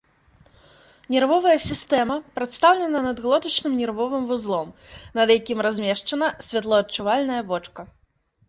Нервовая сістэма прадстаўлена надглотачным нервовым вузлом, над якім размешчана святлоадчувальнае вочка.